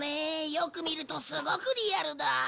よく見るとすごくリアルだ。